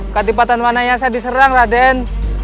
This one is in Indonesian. kadipaten mana yang saya diserang raden